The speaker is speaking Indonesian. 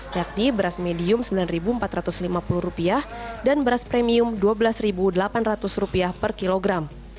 yakni beras medium rp sembilan empat ratus lima puluh dan beras premium rp dua belas delapan ratus per kilogram